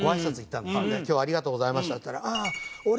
「今日はありがとうございました」って言ったら。